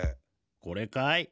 これかい？